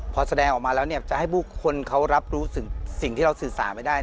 พอแสดงออกมาแล้วจะให้ผู้คนเขารับรู้สิ่งที่เราสื่อสารไม่ได้